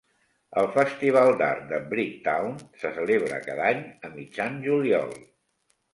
El festival d'art de Bricktown se celebra cada any a mitjan juliol.